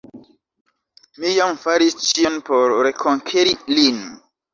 Mi jam faris ĉion por rekonkeri lin.